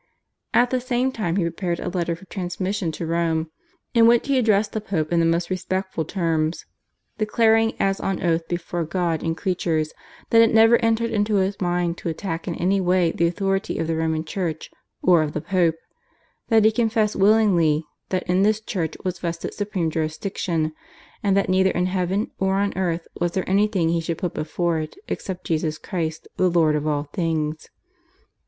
At the same time he prepared a letter for transmission to Rome, in which he addressed the Pope in the most respectful terms, declaring as on oath before God and creatures that it never entered into his mind to attack in any way the authority of the Roman Church or of the Pope, that he confessed willingly that in this Church was vested supreme jurisdiction, and that neither in heaven or on earth was there anything he should put before it except Jesus Christ the Lord of all things.